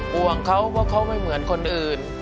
ห่วงเขาเพราะเขาไม่เหมือนคนอื่น